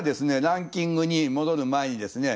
ランキングに戻る前にですね